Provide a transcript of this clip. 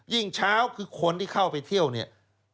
เช้าคือคนที่เข้าไปเที่ยวเนี่ย